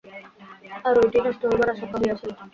আর ঐটিই নষ্ট হইবার আশঙ্কা হইয়াছিল।